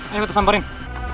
ayo ke tesam pering